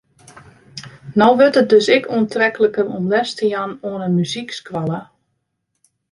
No wurdt it dus ek oantrekliker om les te jaan oan in muzykskoalle.